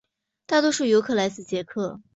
大多数游客来自捷克。